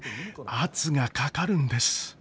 圧がかかるんです。